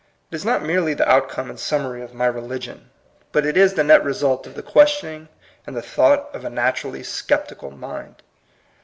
It is not merely the out come and summary of my religion, but it is the net result of the questioning and the thought of a naturally sceptical mind.